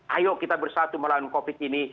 ayo kita bersatu melawan covid ini